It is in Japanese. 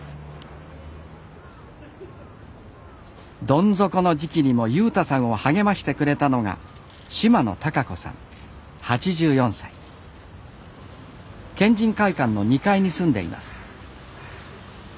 どん底の時期にも優太さんを励ましてくれたのが県人会館の２階に住んでいます。